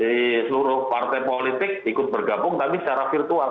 di seluruh partai politik ikut bergabung tapi secara virtual